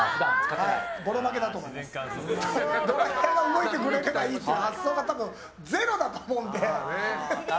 ドライヤーが動いてくれればいいという発想が多分ゼロだと思うので。